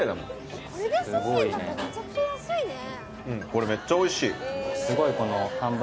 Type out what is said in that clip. これめっちゃおいしい。